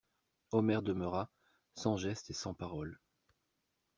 Omer demeura, sans geste et sans parole.